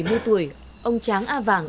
hơn bảy mươi tuổi ông tráng a vàng